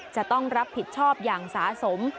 จะต้องรับผิดชอบอย่างสะสม